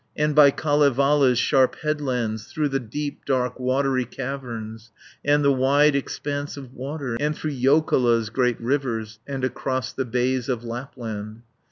And by Kalevala's sharp headlands, Through the deep, dark watery caverns, And the wide expanse of water, And through Joukola's great rivers, And across the bays of Lapland.